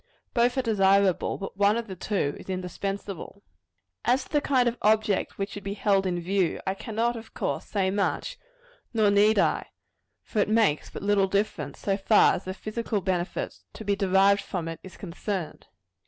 Both are desirable; but one of the two is indispensable. As to the kind of object which should be held in view, I cannot, of course, say much; nor need I for it makes but little difference, so far as the physical benefit to be derived from it is concerned.